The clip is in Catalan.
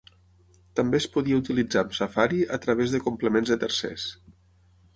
També es podia utilitzar amb Safari a través de complements de tercers.